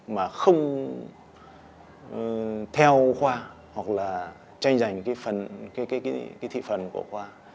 mà không theo khoa hoặc là tranh giành cái thị phần của khoa